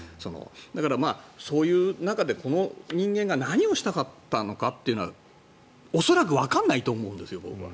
だから、そういう中でこの人間が何をしたかったのかは恐らく、わからないと思うんです僕は。